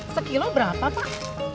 sekilo berapa pak